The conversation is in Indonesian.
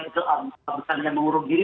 kecelakaan yang mengurung diri